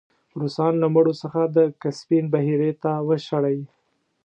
روسان له مرو څخه د کسپین بحیرې ته وشړی.